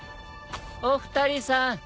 お二人さん。